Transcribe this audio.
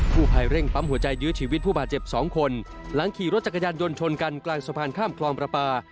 ผู้ภัยเร่งปั๊มหัวใจยื้อชีวิตผู้บาดเจ็บสองคนหลังขี่รถจักรยานยนต์ชนกันกลางสะพานข้ามคลองประปา